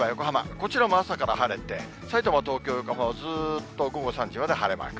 こちらも朝から晴れて、さいたま、東京、横浜はずっと午後３時まで晴れマーク。